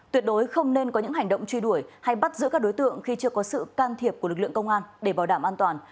tuyệt đối không nên có những hành động truy đuổi hay bắt giữ các đối tượng khi chưa có sự can thiệp của lực lượng công an để bảo đảm an toàn